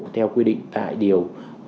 theo quy định tại điều một trăm bảy mươi bốn